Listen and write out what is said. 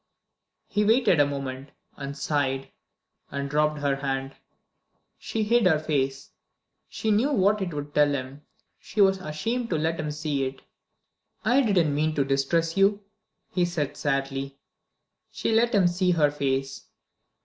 He waited a moment and sighed and dropped her hand. She hid her face; she knew what it would tell him: she was ashamed to let him see it. "I didn't mean to distress you," he said sadly. She let him see her face.